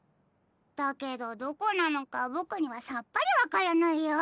だけどどこなのかボクにはさっぱりわからないや。